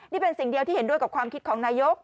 นี่เป็นสิ่งเดียวที่เห็นด้วยกับความคิดของนายก